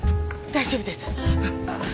大丈夫です。